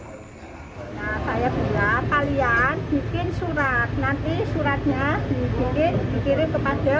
saya bilang kalian bikin surat nanti suratnya dikirim kepada kepala disperinakor